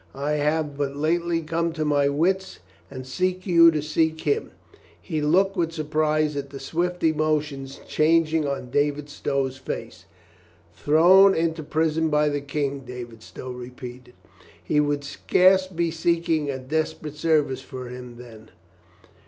I have but lately come to my wits and seek you to seek him." He looked with surprise at the swift emotions changing on David Stow's face. "Thrown into prison by the King?" David Stow repeated. "He would scarce be seeking a desperate service for him then.